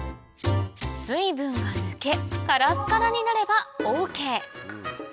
水分が抜けカラッカラになればＯＫ